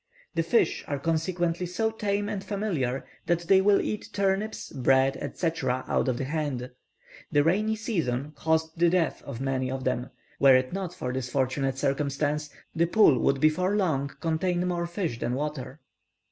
The fish are consequently so tame and familiar, that they will eat turnips, bread, etc., out of the hand. The rainy season causes the death of many of them: were it not for this fortunate circumstance, the pool would before long contain more fish than water.